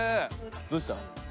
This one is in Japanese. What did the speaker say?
どうしたん？